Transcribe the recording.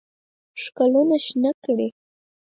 ښکلونه شنه کړي